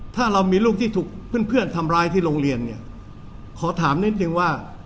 ถ้าเรามีลูกที่ถูกเพื่อนทำร้ายที่โรงเรียนเนี่ยขอถามนิดนึงว่า